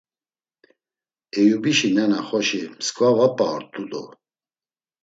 Eyubişi nena xoşi msǩva va p̌a ort̆u do!